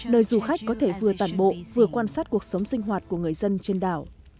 nơi du khách có thể vừa tản bộ vừa quan sát cuộc sống sinh hoạt của người dân trên đảo